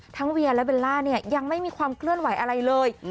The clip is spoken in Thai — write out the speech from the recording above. เวียและเบลล่าเนี่ยยังไม่มีความเคลื่อนไหวอะไรเลย